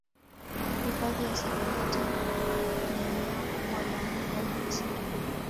Hifadhi ya Serengeti ni eneo kubwa la mbuga na misitu